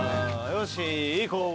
よし行こう。